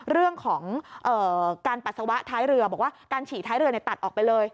เรื่องของการปัสสาวะท้ายเรือบอกว่าการฉี่ท้ายเรือตัดออกไปเลย